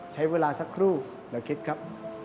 ใช้เวลาสักครู่เดี๋ยวคิดครับ